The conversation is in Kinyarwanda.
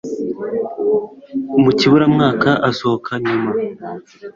mukiburamwaka asohoka nyuma